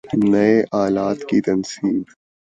نئے آلات کی تنصیب